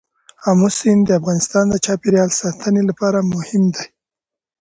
آمو سیند د افغانستان د چاپیریال ساتنې لپاره مهم دی.